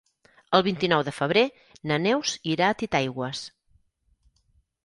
El vint-i-nou de febrer na Neus irà a Titaigües.